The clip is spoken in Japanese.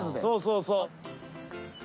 そうそうそう。